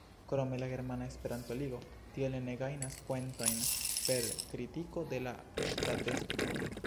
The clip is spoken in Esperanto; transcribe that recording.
Krome la Germana Esperanto-Ligo tiele ne gajnas poentojn per kritiko de la ŝtatestro.